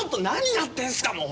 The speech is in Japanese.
何やってんすか！